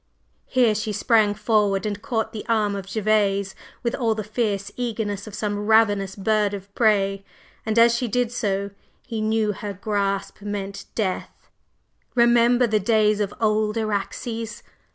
Here she sprang forward and caught the arm of Gervase with all the fierce eagerness of some ravenous bird of prey; and as she did so he knew her grasp meant death. "Remember the days of old, Araxes!